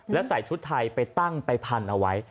แล้วใส่ชุดไทยไปตั้งไปพันเอาไว้